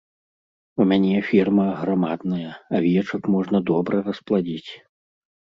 У мяне ферма аграмадная, авечак можна добра распладзіць.